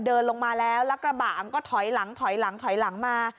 เดินลงมาแล้วแล้วกระบะมันก็ถอยหลังถอยหลังถอยหลังมา